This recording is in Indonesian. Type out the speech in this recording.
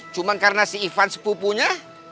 cuma karena si ivan sepupunya